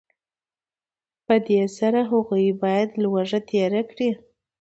په دې سره هغوی باید لوږه تېره کړي